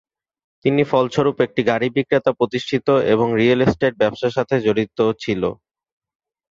তিনি ফলস্বরূপ একটি গাড়ী বিক্রেতা প্রতিষ্ঠিত, এবং রিয়েল এস্টেট ব্যবসার সাথে জড়িত ছিল।